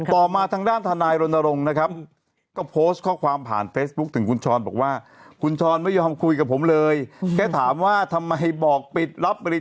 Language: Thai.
ต่อมาทางด้านทนายลนตรงนะครับ